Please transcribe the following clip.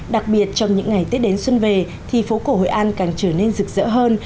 đặc biệt trong những ngày tết đến xuân về thì phố cổ hội an càng trở nên rực rỡ hơn